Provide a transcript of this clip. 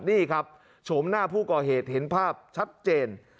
นี่ครับโฉมหน้าผู้ก่อเหตุเห็นภาพชัดเจน